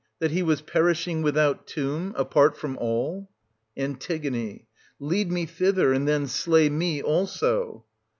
That he was perishing without tomb, apart from all? An. Lead me thither, and then slay me also.